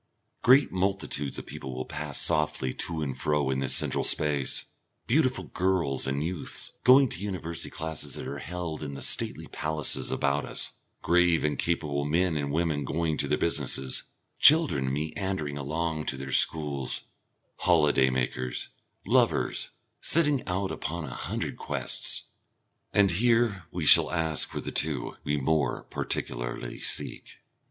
Great multitudes of people will pass softly to and fro in this central space, beautiful girls and youths going to the University classes that are held in the stately palaces about us, grave and capable men and women going to their businesses, children meandering along to their schools, holiday makers, lovers, setting out upon a hundred quests; and here we shall ask for the two we more particularly seek.